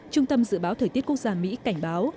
trung tâm dự báo thời tiết quốc gia mỹ cảnh báo